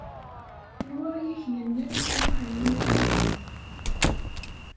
Anwa i ak-yennan isem-iw Ḥemmu n At Sɛid?